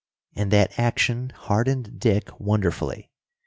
And that action heartened Dick wonderfully.